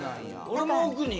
俺も奥に。